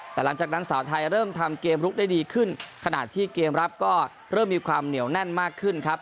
แต่หลังจากนั้นสาวไทยเริ่มทำเกมลุกได้ดีขึ้นขณะที่เกมรับก็เริ่มมีความเหนียวแน่นมากขึ้นครับ